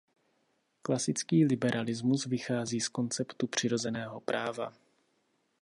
Klasický liberalismus vychází z konceptu přirozeného práva.